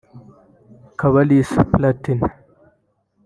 Kabalisa Palatin